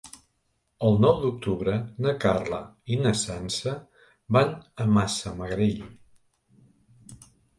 El nou d'octubre na Carla i na Sança van a Massamagrell.